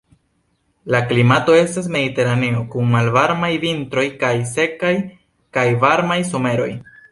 La klimato estas mediteraneo kun malvarmaj vintroj kaj sekaj kaj varmaj someroj.